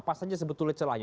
apa saja sebetulnya celahnya